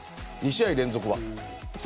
２試合連続は。